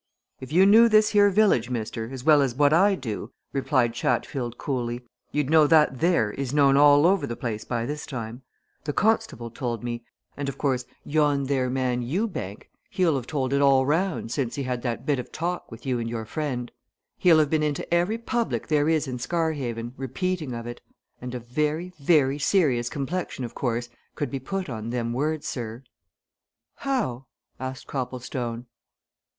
"If you knew this here village, mister, as well as what I do," replied Chatfield coolly, "you'd know that there is known all over the place by this time. The constable told me, and of course yon there man, Ewbank, he'll have told it all round since he had that bit of talk with you and your friend. He'll have been in to every public there is in Scarhaven, repeating of it. And a very, very serious complexion, of course, could be put on them words, sir." "How?" asked Copplestone.